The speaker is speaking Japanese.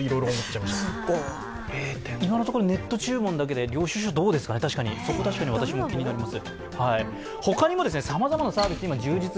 今のところネット注文だけで、領収書どうなんですかね、私も気になります。